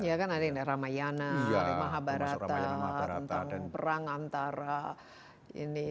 ya kan ada ini ramayana mahabharata tentang perang antara ini